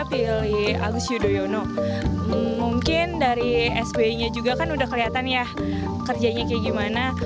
pilih agus yudhoyono mungkin dari sbi nya juga kan udah kelihatan ya kerjanya kayak gimana